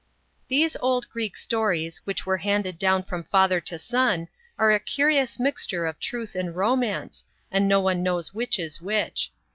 THESE old Greek stories, which were handed down from father to son, are a curious mixture of truth and romance, and no one knows which is which.